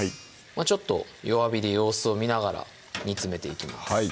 ちょっと弱火で様子を見ながら煮つめていきます